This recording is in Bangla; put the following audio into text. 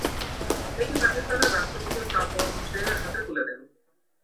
এটি পাকিস্তানের রাষ্ট্রপতি প্রাপকদের হাতে তুলে দিতেন।